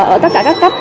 ở tất cả các thành phố